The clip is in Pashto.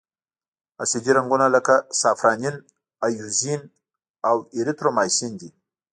اسیدي رنګونه لکه سافرانین، ائوزین او ایریترومایسین دي.